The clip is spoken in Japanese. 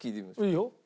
いいよ。